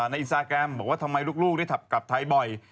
อินสตาแกรมบอกว่าทำไมลูกได้กลับไทยบ่อย